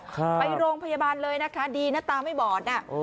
ไปโรงพยาบาลเลยนะคะดีนะตาไม่บอดน่ะ